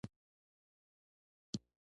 ډاکټر وویل: ته به هر وخت په کټ کې نه یې.